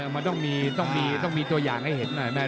มันต้องมีต้องมีตัวอย่างให้เห็นหน่อย